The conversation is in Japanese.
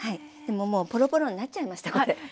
もうポロポロになっちゃいましたこれ。